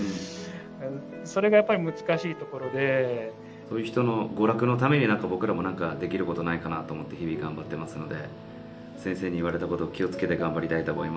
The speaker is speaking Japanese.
そういう人の娯楽のために僕らも何かできることないかなと思って日々頑張ってますので先生に言われたことを気を付けて頑張りたいと思います。